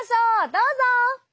どうぞ！